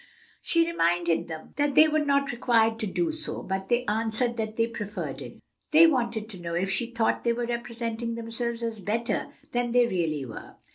She reminded them that they were not required to do so; but they answered that they preferred it; they wanted to know if she thought they were representing themselves as better than they really were.